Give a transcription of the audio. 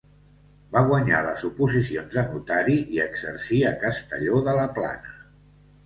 Va guanyar les oposicions de notari i exercí a Castelló de la Plana.